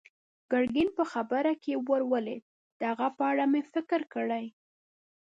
ګرګين په خبره کې ور ولوېد: د هغه په اړه مې فکر کړی.